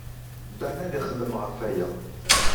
Dan ad ixemmem ɣef waya.